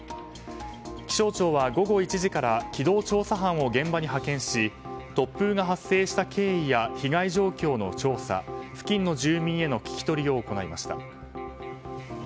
気象庁は午後１時から機動調査班を現場に派遣し突風が発生した経緯や被害状況の調査、付近の住民への聞き取りを行いました。